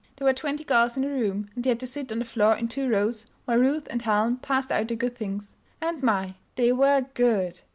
There were twenty girls in the room, and they had to sit on the floor in two rows while Ruth and Helen passed out the good things. And my! they were good!